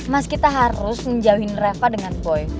mas kita harus menjauhin reva dengan boy